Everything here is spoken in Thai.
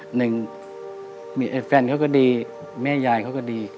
หนึ่งแฟนเขาก็ดีแม่ยายเขาก็ดี